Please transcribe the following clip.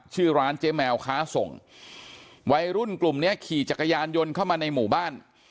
ชื่อร้านเจ๊แมวค้าส่งวัยรุ่นกลุ่มเนี้ยขี่จักรยานยนต์เข้ามาในหมู่บ้าน